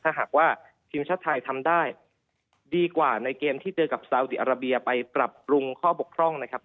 ถ้าหากว่าทีมชาติไทยทำได้ดีกว่าในเกมที่เจอกับซาวดีอาราเบียไปปรับปรุงข้อบกพร่องนะครับ